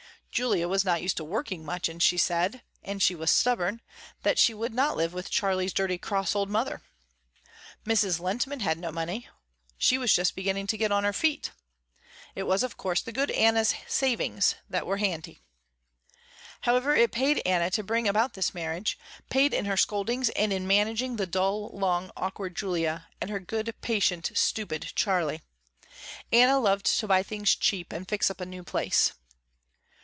Julia was not used to working much and she said, and she was stubborn, that she would not live with Charley's dirty, cross, old mother. Mrs. Lehntman had no money. She was just beginning to get on her feet. It was of course, the good Anna's savings that were handy. However it paid Anna to bring about this marriage, paid her in scoldings and in managing the dull, long, awkward Julia, and her good, patient, stupid Charley. Anna loved to buy things cheap, and fix up a new place.